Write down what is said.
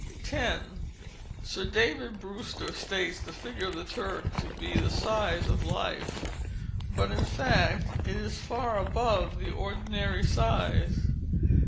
10. Sir David Brewster states the figure of the Turk to be of the size of life—but in fact it is far above the ordinary size.